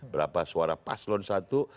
berapa suara paslon satu